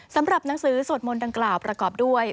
สำหรับหนังสือสวดมนต์ดังกล่าวประกอบด้วย